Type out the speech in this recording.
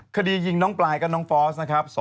คดียิงน้องปลายกับน้องฟอสนะครับ